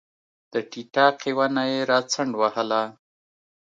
د ټیټاقې ونه یې راڅنډ وهله